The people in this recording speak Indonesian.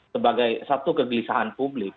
sebagai satu kegelisahan publik